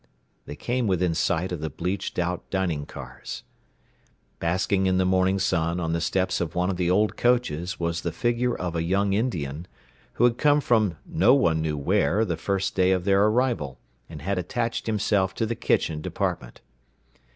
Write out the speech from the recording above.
They came within sight of the bleached out dining cars. Basking in the morning sun on the steps of one of the old coaches was the figure of a young Indian, who had come from no one knew where the first day of their arrival, and had attached himself to the kitchen department.